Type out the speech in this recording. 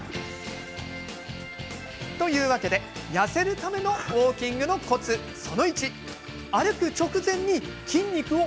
というわけで、痩せるためのウォーキングのコツ、その１。